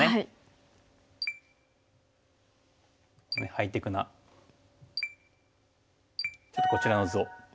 ハイテクなちょっとこちらの図を。